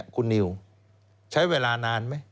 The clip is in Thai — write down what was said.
คุณนิวใช้เวลานานไหม